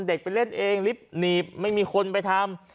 ไปเล่นเองลิฟต์หนีบไม่มีคนไปทำ